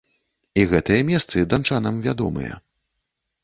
І гэтыя месцы данчанам вядомыя.